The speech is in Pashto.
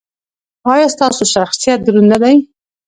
ایا ستاسو شخصیت دروند نه دی؟